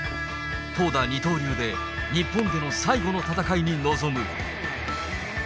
投打二刀流で、日本での最後の戦いに臨む。